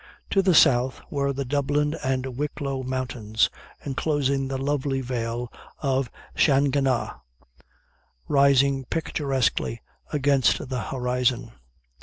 To the south were the Dublin and Wicklow mountains, enclosing the lovely vale of Shanganah, rising picturesquely against the horizon.